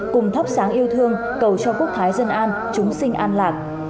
cùng thắp sáng yêu thương cầu cho quốc thái dân an chúng sinh an lạc